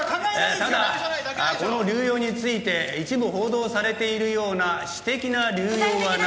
ただこの流用について一部報道されているような私的な流用はなく。